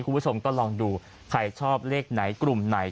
คุณผู้ชมก็ลองดูใครชอบเลขไหนกลุ่มไหน